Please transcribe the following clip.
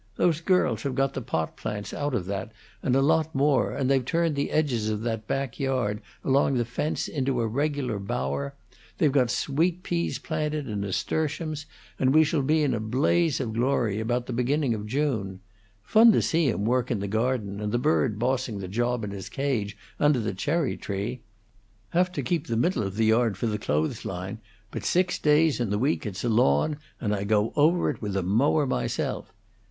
Those girls have got the pot plants out of that, and a lot more, and they've turned the edges of that back yard, along the fence, into a regular bower; they've got sweet peas planted, and nasturtiums, and we shall be in a blaze of glory about the beginning of June. Fun to see 'em work in the garden, and the bird bossing the job in his cage under the cherry tree. Have to keep the middle of the yard for the clothesline, but six days in the week it's a lawn, and I go over it with a mower myself.